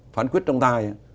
phán quyết trọng tài